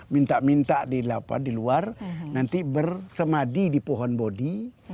minta minta di luar nanti bersemadi di pohon bodi